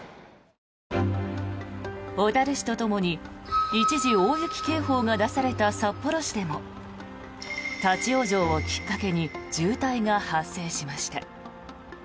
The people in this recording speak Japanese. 小樽市とともに一時大雪警報が出された札幌市でも立ち往生をきっかけに渋滞が発生しました。